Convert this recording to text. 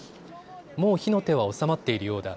もう火の手は収まっているようだ。